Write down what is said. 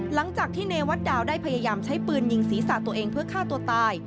หลังจากที่เนวัดดาวได้พยายามใช้ปืนยิงศีรษะตัวเองเพื่อฆ่าตัวตาย